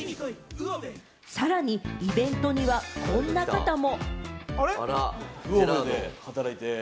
さらにイベントには、こんな方も。